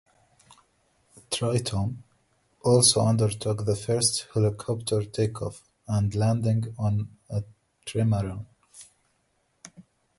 "Triton" also undertook the first helicopter take off and landing on a trimaran.